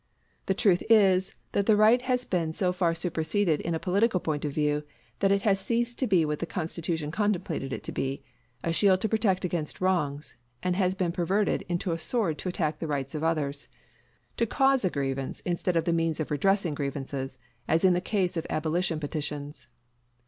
The truth is, that the right has been so far superseded in a political point of view, that it has ceased to be what the Constitution contemplated it to be, a shield to protect against wrongs; and has been perverted into a sword to attack the rights of others to cause a grievance instead of the means of redressing grievances, as in the case of abolition petitions.